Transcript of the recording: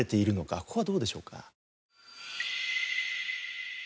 ここはどうでしょうか？